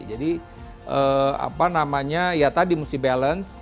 jadi apa namanya ya tadi harus balance